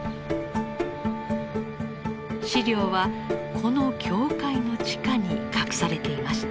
資料はこの教会の地下に隠されていました。